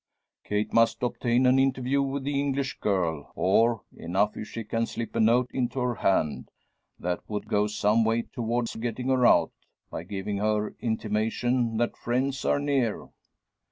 "Kate must obtain an interview with the English girl; or, enough if she can slip a note into her hand. That would go some way towards getting her out by giving her intimation that friends are near."